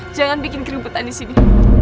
jangan bikin keributan di sini